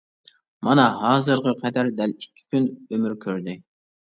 مانا ھازىرغا قەدەر دەل ئىككى كۈن ئۆمۈر كۆردى!